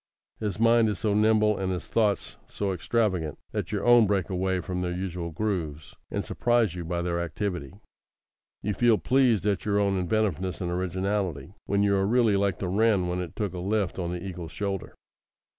His mind is so nimble and his thoughts so extravagant, that your own break away from their usual grooves, and surprise you by their activity. You feel pleased at your own inventiveness and originality, when you are really like the wren when it took a lift on the eagle's shoulder.